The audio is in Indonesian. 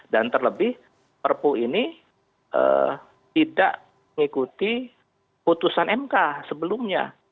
dan terlebih perpu ini tidak mengikuti putusan mk sebelumnya